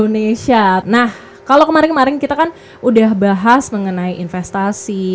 nah kalau kemarin kemarin kita kan udah bahas mengenai investasi